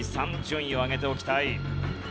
順位を上げておきたい。